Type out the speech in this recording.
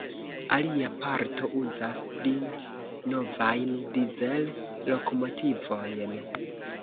Alia parto uzas pli novajn Dizel-lokomotivojn.